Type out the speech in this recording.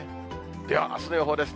ではあすの予報です。